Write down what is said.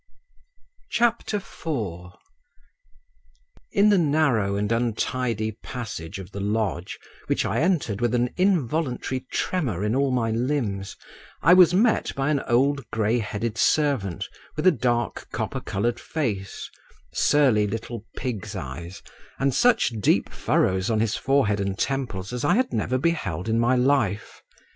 IV In the narrow and untidy passage of the lodge, which I entered with an involuntary tremor in all my limbs, I was met by an old grey headed servant with a dark copper coloured face, surly little pig's eyes, and such deep furrows on his forehead and temples as I had never beheld in my life.